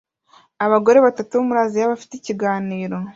Abagore batatu bo muri Aziya bafite ikiganiro